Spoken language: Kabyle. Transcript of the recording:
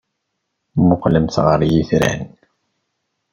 Mmuqqlemt ɣer yitran.